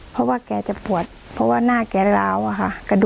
เพราะว่าแกจะปวดเพราะว่าหน้าแกล้าวอะค่ะ